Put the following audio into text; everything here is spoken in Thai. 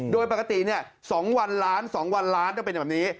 โดยปกติ๒วันล้าน๒วันล้านต้องเป็นแบบนี้